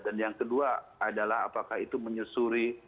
dan yang kedua adalah apakah itu menyusuri